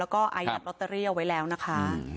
แล้วมันจะเลือกน้อยเพียงใดเลือกเข้าใน